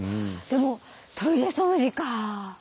でもトイレ掃除か。